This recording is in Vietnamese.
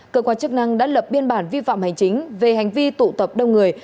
cơ quan chức năng đã lập biên bản vi phạm hành chính về hành vi tụ tập đông người